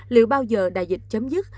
liệu bao giờ đại dịch chấm dứt